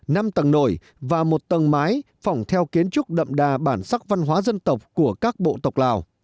năm tầng nổi và một tầng mái phỏng theo kiến trúc đậm đà bản sắc văn hóa dân tộc của các bộ tộc lào